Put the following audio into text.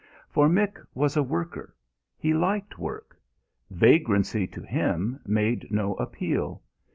For Mick was a worker. He liked work. Vagrancy to him made no appeal.